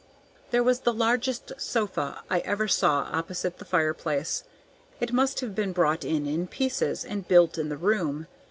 There was the largest sofa I ever saw opposite the fireplace; it must have been brought in in pieces, and built in the room.